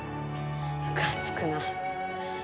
むかつくな。